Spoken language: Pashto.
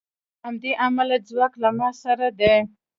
له همدې امله ځواک له ما سره دی